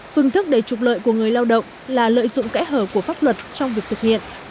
phương thức để trục lợi của người lao động là lợi dụng kẽ hở của pháp luật trong việc thực hiện